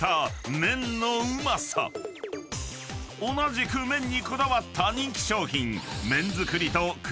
［同じく麺にこだわった人気商品］